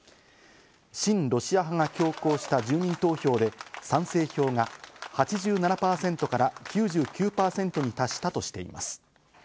親ロシア派が強行した住民投票で賛成票が８７％から９９％に達したとしています。